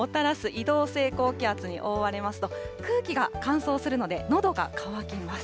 移動性高気圧に覆われますと、空気が乾燥するのでのどが渇きます。